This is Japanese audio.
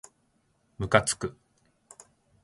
むかつく